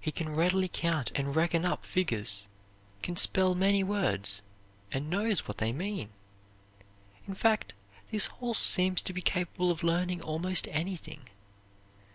He can readily count and reckon up figures, can spell many words, and knows what they mean. In fact this horse seems to be capable of learning almost anything.